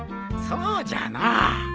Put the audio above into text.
そうじゃな。